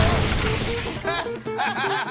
アハハハハ！